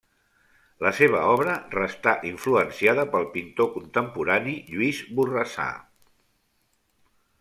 La seva obra resta influenciada pel pintor contemporani Lluís Borrassà.